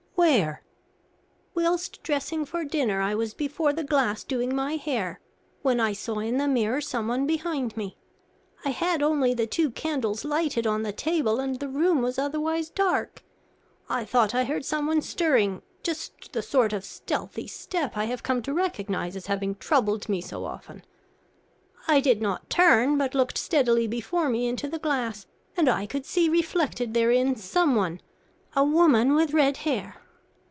where?" "Whilst dressing for dinner, I was before the glass doing my hair, when I saw in the mirror someone behind me. I had only the two candles lighted on the table, and the room was otherwise dark. I thought I heard someone stirring just the sort of stealthy step I have come to recognise as having troubled me so often. I did not turn, but looked steadily before me into the glass, and I could see reflected therein someone a woman with red hair.